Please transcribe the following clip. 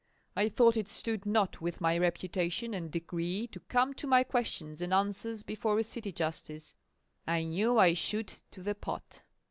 I thought it stood not with my reputation and degree to come to my questions and answers before a city justice: I knew I should to the pot.